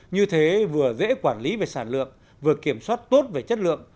như thế vừa dễ quản lý về sản lượng vừa kiểm soát tốt về chất lượng